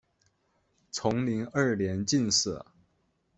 崇宁二年进士。